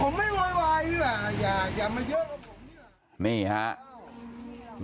ผมไม่วายอย่าเพิ่งมาเยอะกับผม